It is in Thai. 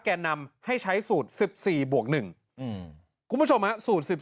แกนนำให้ใช้สูตรสิบสี่บวกหนึ่งอืมคุณผู้ชมสูตรสิบ